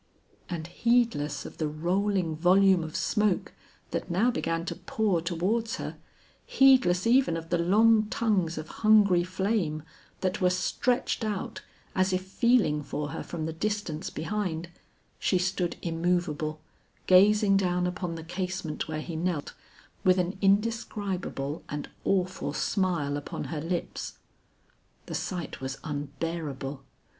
And heedless of the rolling volume of smoke that now began to pour towards her, heedless even of the long tongues of hungry flame that were stretched out as if feeling for her from the distance behind, she stood immovable, gazing down upon the casement where he knelt, with an indescribable and awful smile upon her lips. The sight was unbearable.